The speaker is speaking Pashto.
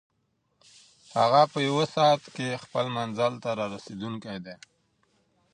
هغه په یوه ساعت کې خپل منزل ته رارسېدونکی دی.